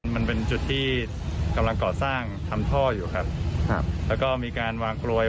มันเป็นจุดที่กำลังก่อสร้างทำท่ออยู่ครับครับแล้วก็มีการวางกลวย